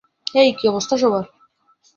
হেই, কী অবস্থা সবার।